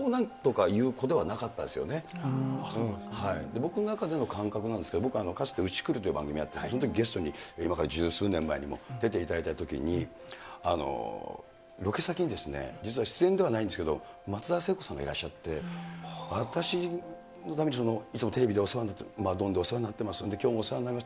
僕の中での感覚なんですけど、僕、かつてうちくるという番組があって、そのときゲストに、今から十数年前に出ていただいたときに、ロケ先に実は出演ではないんですけれども、松田聖子さんがいらっしゃって、私のためにいつもテレビでお世話になってます、ドン！でお世話になってますんで、きょうもお世話になります。